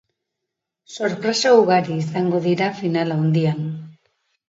Sorpresa ugari izango dira final handian.